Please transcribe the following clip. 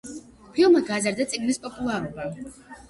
ფილმმა გაზარდა წიგნის პოპულარობა.